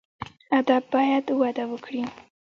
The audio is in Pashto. ادب باید وده وکړي